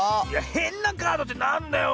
へんなカードってなんだよ。